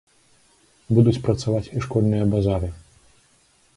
Будуць працаваць і школьныя базары.